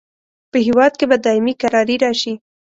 په هیواد کې به دایمي کراري راشي.